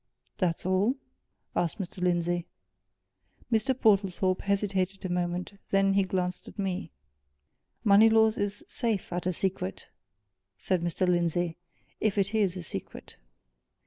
"That all?" asked Mr. Lindsey. Mr. Portlethorpe hesitated a moment then he glanced at me. "Moneylaws is safe at a secret," said Mr. Lindsey. "If it is a secret."